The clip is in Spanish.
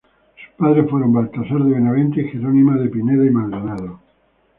Sus padres fueron Baltasar de Benavente y Jerónima de Pineda y Maldonado.